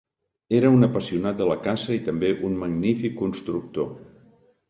Era un apassionat de la caça i també un magnífic constructor.